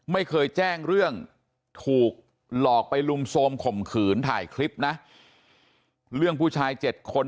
ไม่เคยแจ้งเรื่องถูกหลอกไปลุมโทรมข่มขืนถ่ายคลิปนะเรื่องผู้ชาย๗คน